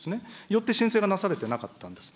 よって申請がなされてなかったんです。